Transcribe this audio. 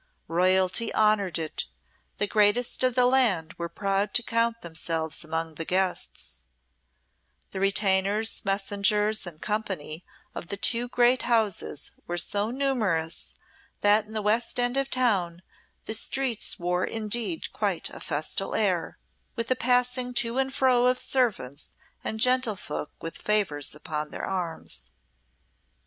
Royalty honoured it; the greatest of the land were proud to count themselves among the guests; the retainers, messengers, and company of the two great houses were so numerous that in the west end of the town the streets wore indeed quite a festal air, with the passing to and fro of servants and gentlefolk with favours upon their arms.